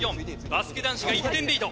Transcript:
バスケ男子が１点リード。